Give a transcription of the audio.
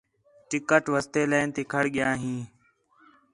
ٹِکٹ واسطے لائن تھی کھڑ ڳِیا ہیں